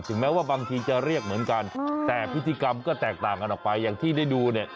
แม้ว่าบางทีจะเรียกเหมือนกันแต่พิธีกรรมก็แตกต่างกันออกไปอย่างที่ได้ดูเนี่ย